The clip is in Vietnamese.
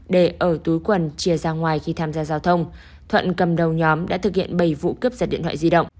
để ở túi quần chia ra ngoài khi tham gia giao thông thuận cầm đầu nhóm đã thực hiện bảy vụ cướp giật điện thoại di động